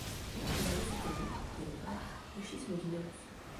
Il avait soutenu, il est vrai, le schisme de Novatien.